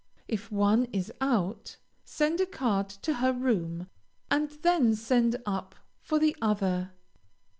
If one is out, send a card to her room, and then send up for the other.